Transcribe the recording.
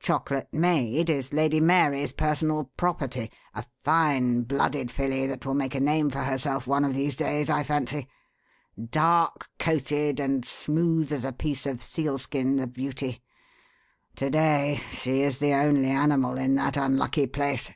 Chocolate Maid is Lady Mary's personal property a fine, blooded filly that will make a name for herself one of these days, I fancy. Dark coated and smooth as a piece of sealskin, the beauty. To day she is the only animal in that unlucky place.